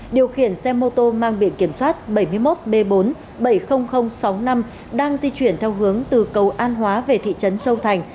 điều khiển xe mô tô mang biển kiểm soát bảy mươi một b bốn bảy mươi nghìn sáu mươi năm đang di chuyển theo hướng từ cầu an hóa về thị trấn châu thành